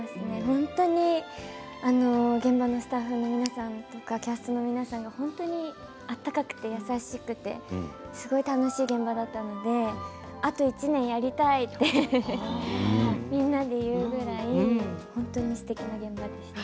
本当に現場のスタッフの皆さんとかキャストの皆さんが本当に温かくて、優しくてすごい楽しい現場だったのであと１年やりたいってみんなで言うぐらい本当にすてきな現場でした。